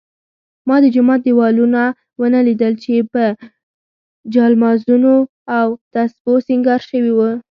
ما د جومات دېوالونه ونه لیدل چې په جالمازونو او تسپو سینګار شوي وي.